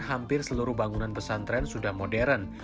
hampir seluruh bangunan pesantren sudah modern